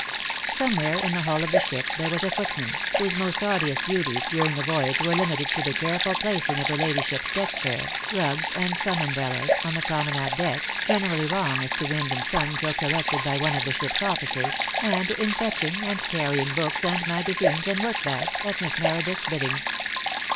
Somewhere in the hull of the ship there was a footman, whose most arduous duties during the voyage were limited to the careful placing of her ladyship's deck chair, rugs, and sun umbrellas, on the promenade deck, generally wrong as to wind and sun till corrected by one of the ship's officers, and in fetching and carrying books and magazines and work bags at Miss Meredith's bidding.